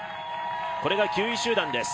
これが９位集団です。